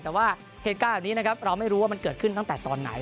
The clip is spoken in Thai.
แต่ว่าเหตุการณ์แบบนี้นะครับเราไม่รู้ว่ามันเกิดขึ้นตั้งแต่ตอนไหน